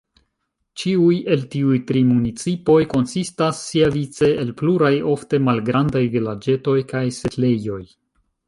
Ĉiuj el tiuj tri municipoj konsistas siavice el pluraj ofte malgrandaj vilaĝetoj kaj setlejoj.